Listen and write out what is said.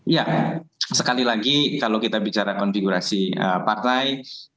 ya sekali lagi kalau kita bicara konfigurasi partai